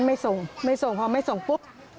ไม่ส่งพอไม่ส่งปุ๊บ